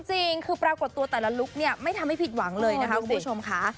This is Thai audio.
จริงคือปรากฏตัวแต่ละลุคเนี่ยไม่ทำให้ผิดหวังเลยนะคะคุณผู้ชมค่ะ